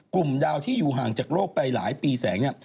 กลุ่มดาวที่อยู่ห่างจากโลกไปหลายปีแสงเนี่ย